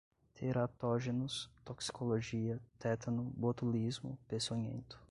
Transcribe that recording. teratógenos, toxicologia, tétano, botulismo, peçonhento